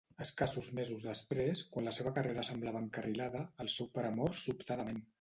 Escassos mesos després, quan la seva carrera semblava encarrilada, el seu pare mor sobtadament.